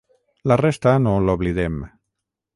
La resta no l’oblidem.